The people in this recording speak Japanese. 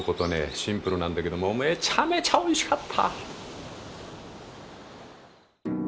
シンプルなんだけどもうめちゃめちゃおいしかった。